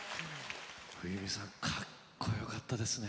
冬美さんかっこよかったですね。